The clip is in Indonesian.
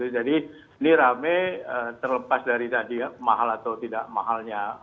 jadi ini rame terlepas dari tadi ya mahal atau tidak mahalnya